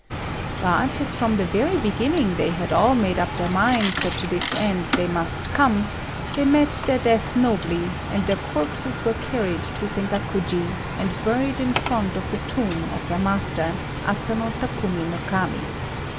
But, as from the very beginning they had all made up their minds that to this end they must come, they met their death nobly; and their corpses were carried to Sengakuji, and buried in front of the tomb of their master, Asano Takumi no Kami.